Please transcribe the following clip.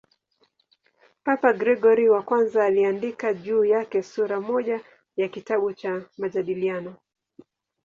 Papa Gregori I aliandika juu yake sura moja ya kitabu cha "Majadiliano".